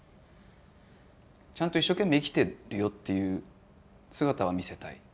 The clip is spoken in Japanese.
ちゃんと一生懸命生きてるよっていう姿は見せたい。